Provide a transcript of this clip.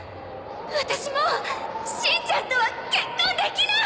ワタシもうしんちゃんとは結婚できない！